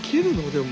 でも。